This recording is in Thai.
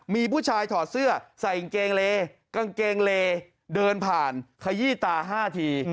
มีผู้ชายถอดเสื้อใส่กางเกงเลกางเกงเลเดินผ่านขยี้ตา๕ที